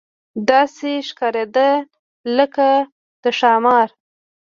داسې ښکارېدله لکه د ښامار.